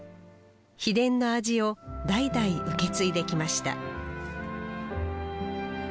秘伝の味を代々受け継いできました